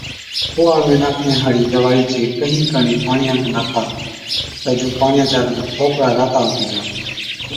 کُوها ۾ ناکڻي هاڙِي دوائِي چي ڪهِين ڪڻي پاڻِيان ۾ ناکا تہ جُون پاڻِيان چا رنگ ٿوڪڙا راتا هُتِي جا